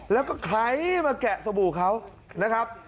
แล้วก็ไคร้มาแกะสบู่เขานะครับ